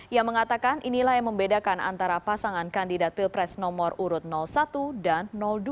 yang mengatakan inilah yang membedakan antara pasangan kandidat pilpres nomor urut satu dan dua